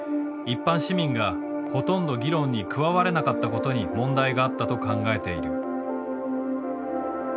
一般市民がほとんど議論に加われなかったことに問題があったと考えている。